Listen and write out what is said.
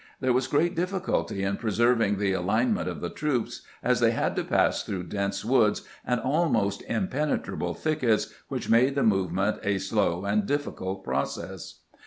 There was great difficulty in preserving the alinement of the troops, as they had to pass through dense woods and almost impenetrable thickets, which made the move ment a slow and difficult process.